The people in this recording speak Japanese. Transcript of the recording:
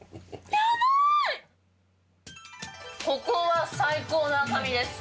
ここは最高の赤身です。